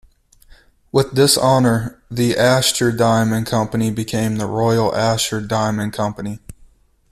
With this honor, the Asscher Diamond Company became the Royal Asscher Diamond Company.